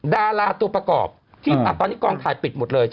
ดาราตัวประกอบอ่ะตอนนี้ตายปิดหมดเลย